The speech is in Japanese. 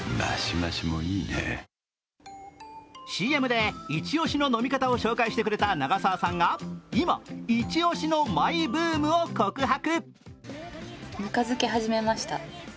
ＣＭでイチ押しの飲み方を紹介してくれた長澤さんが今、イチオシのマイブームを告白。